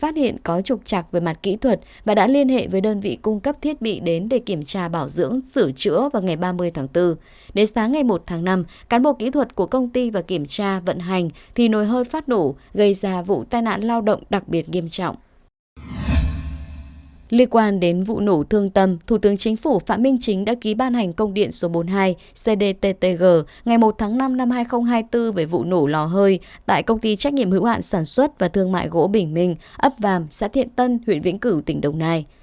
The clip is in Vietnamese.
liên quan đến vụ nổ thương tâm thủ tướng chính phủ phạm minh chính đã ký ban hành công điện số bốn mươi hai cdttg ngày một tháng năm năm hai nghìn hai mươi bốn về vụ nổ lò hơi tại công ty trách nhiệm hữu hạn sản xuất và thương mại gỗ bình minh ấp vàm xã thiện tân huyện vĩnh cửu tỉnh đồng nai